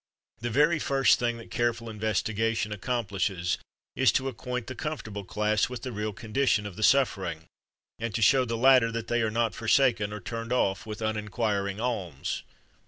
The very first thing that careful investigation accomplishes is to acquaint the comfortable class with the real condition of the suffering, and to show the latter that they are not forsaken or turned off with uninquiring alms.